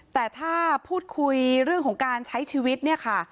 แต่ถ้าพูดคุยเรื่องของการใช้ชีวิตเนี่ยค่ะ